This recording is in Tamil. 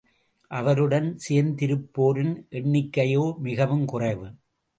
அவருடன் சேர்ந்திருப்போரின் எண்ணிக்கையோ மிகவும் குறைவு.